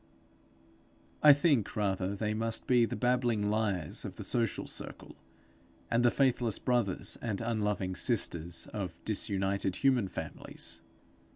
I think, rather, they must be the babbling liars of the social circle, and the faithless brothers and unloving sisters of disunited human families.